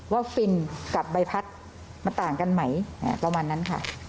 ฟินกับใบพัดมันต่างกันไหมประมาณนั้นค่ะ